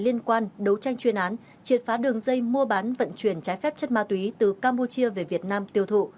liên quan đấu tranh chuyên án triệt phá đường dây mua bán vận chuyển trái phép chất ma túy từ campuchia về việt nam tiêu thụ